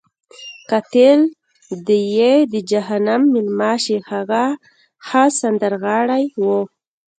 قاتل دې یې د جهنم میلمه شي، هغه ښه سندرغاړی وو.